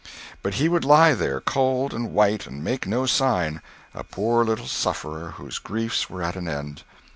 But he would lie there cold and white and make no sign—a poor little sufferer, whose griefs were at an end.